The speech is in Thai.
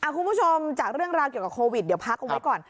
คุณผู้ชมจากเรื่องราวเกี่ยวกับโควิดเดี๋ยวพักเอาไว้ก่อน